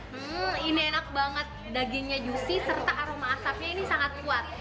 hmm ini enak banget dagingnya juicy serta aroma asapnya ini sangat kuat